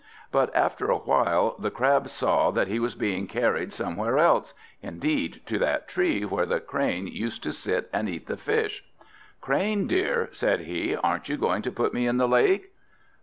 But after a while the Crab saw that he was being carried somewhere else, indeed to that tree where the Crane used to sit and eat the fish. "Crane dear," said he, "aren't you going to put me in the lake?"